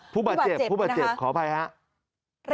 ผู้บาดเจ็บขออภัยครับ